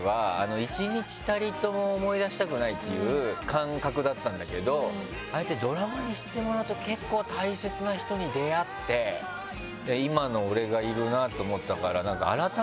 俺だから。っていう感覚だったんだけどああやってドラマにしてもらうと結構大切な人に出会って今の俺がいるなと思ったから。